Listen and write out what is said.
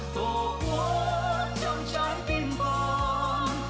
tổ quốc trong trái tim con